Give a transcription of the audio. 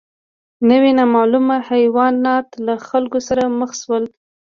نوي نامعلومه حیوانات له خلکو سره مخ شول.